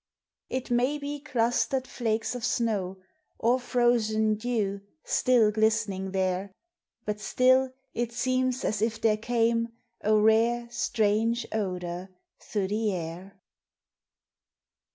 It may be clustered flakes of snow, Or frozen dew still glistening there, But still it seems as if there came A rare, strange odor through the air.